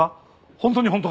本当に本当か？